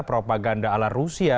propaganda ala rusia